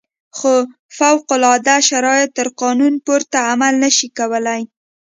خو فوق العاده شرایط تر قانون پورته عمل نه شي کولای.